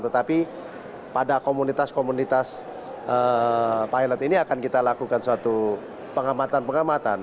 tetapi pada komunitas komunitas pilot ini akan kita lakukan suatu pengamatan pengamatan